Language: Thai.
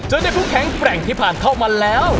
ได้ผู้แข็งแกร่งที่ผ่านเข้ามาแล้ว